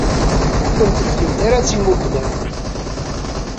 Kennemti ur tellimt ara d timugna.